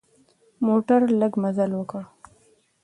موټر لږ مزل وکړي.